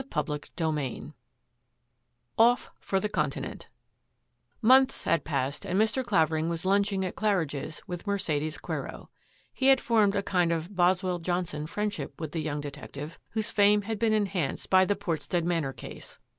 CHAPTER XXVn OFF FOR THE CONTINENT Months had passed and Mr. Clavering was lunching at Qaridge's with Mercedes Quero, He had formed a kind of Boswell Johnson friendship with the young detective, whose fame had been enhanced by the Portstead Manor case.